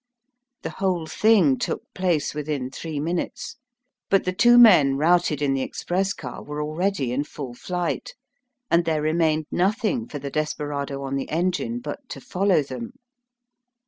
The whole thing took place within three minutes. But the two men routed in the express car were already in full flight, and there remained nothing for the desperado on the engine but to follow them.